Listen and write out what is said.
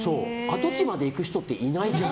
跡地まで行く人っていないじゃん。